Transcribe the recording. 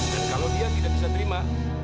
dan kalau dia tidak bisa terima